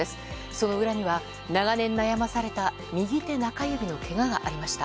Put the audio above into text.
その裏には長年悩まされた右手中指のけががありました。